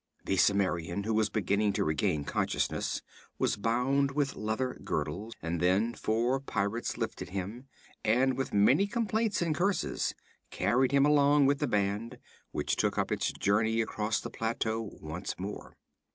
The Cimmerian, who was beginning to regain consciousness, was bound with leather girdles, and then four pirates lifted him, and with many complaints and curses, carried him along with the band, which took up its journey across the plateau once more.